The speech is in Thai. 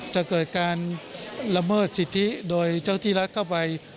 จะเกิดการละเมิดสิทธิโดยเจ้าที่รัฐเข้าไป